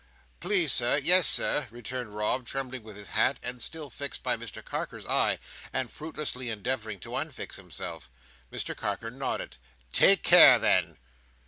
"Please, Sir, yes, Sir," returned Rob, tumbling with his hat, and still fixed by Mr Carker's eye, and fruitlessly endeavouring to unfix himself. Mr Carker nodded. "Take care, then!"